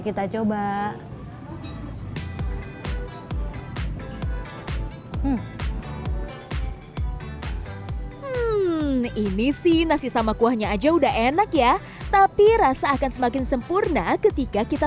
kita coba ini sih nasi sama kuahnya aja udah enak ya tapi rasa akan semakin sempurna ketika kita